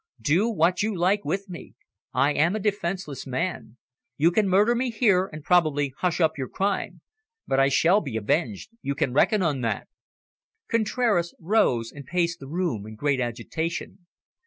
Do what you like with me. I am a defenceless man. You can murder me here, and probably hush up your crime. But I shall be avenged you can reckon on that." Contraras rose, and paced the room in great agitation.